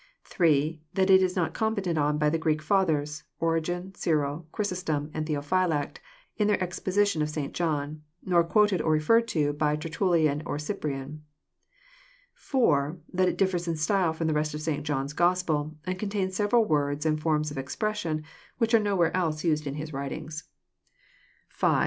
(3) That it is not commented on by the Greek Fathers, Ori gen, Cyril, Chrysostom, and Theophylact, in their exposition of St. John ; nor quoted or referred to by TertuUian and Cyprian. (4) That it differs in style f^om the rest of St. John's Gospel, and contains several words and forms of expression which are nowhere else used in his writings. 66 EXPcenx)RY thoughts.